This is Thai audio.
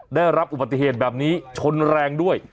ได้รับอุบัติเหตุแบบนี้ชนแรงด้วย